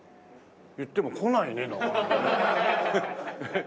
いっても来ないねなかなか。